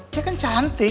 dia kan cantik